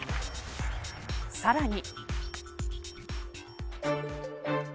さらに。